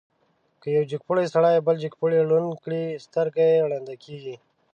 که یو جګپوړی سړی بل جګپوړی ړوند کړي، سترګه یې ړنده کېږي.